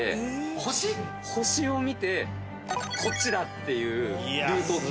星を見てこっちだっていうルートを決めてたの。